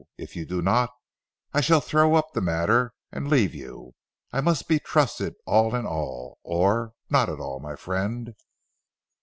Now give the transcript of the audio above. If you do not, I shall throw up the matter and leave you. I must be trusted all in all, or not at all, my friend."